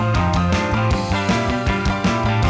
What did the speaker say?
สวัสดีครับ